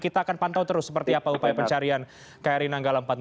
kita akan pantau terus seperti apa upaya pencarian kri nanggala empat ratus dua